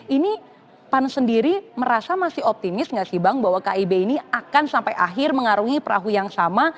ini pan sendiri merasa masih optimis nggak sih bang bahwa kib ini akan sampai akhir mengarungi perahu yang sama